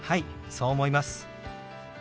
そう思います。